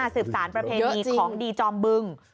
สืบสารประเพณีของดีจอมบึง